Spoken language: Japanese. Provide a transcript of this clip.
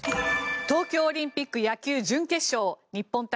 東京オリンピック野球準決勝日本対